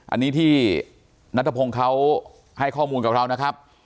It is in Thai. อันนี้ที่นัทพงศ์เขาให้ข้อมูลกับเรานะครับ